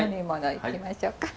はい。